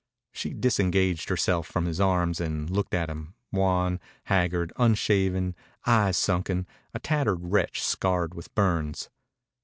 She disengaged herself from his arms and looked at him, wan, haggard, unshaven, eyes sunken, a tattered wretch scarred with burns.